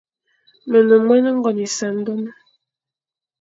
Me ne moan ngone essandone.